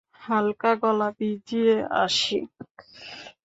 হালকা গলা ভিজিয়ে আসি।